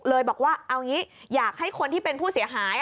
เลยบอกว่าเอางี้อยากให้คนที่เป็นผู้เสียหาย